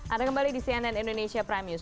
ada kembali di cnn indonesia prime news